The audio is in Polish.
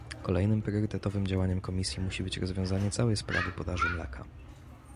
Kolejnym priorytetowym działaniem Komisji musi być rozwiązanie całej sprawy podaży mleka